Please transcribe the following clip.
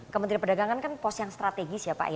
kementerian perdagangan kan pos yang strategis ya pak